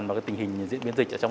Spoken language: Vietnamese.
mình cứ giữ gìn sức khỏe